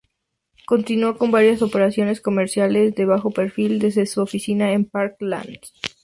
Continuó con varias operaciones comerciales de bajo perfil desde su oficina en Park Lane.